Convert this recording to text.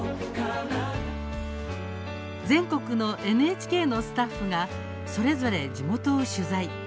全国のＮＨＫのスタッフがそれぞれ地元を取材。